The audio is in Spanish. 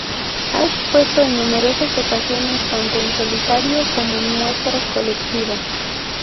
Ha expuesto en numerosas ocasiones, tanto en solitario como en muestras colectivas.